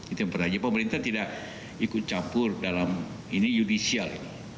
itu yang pertama pemerintah tidak ikut campur dalam ini judicial ini